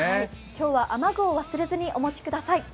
今日は雨具を忘れずにお持ちください。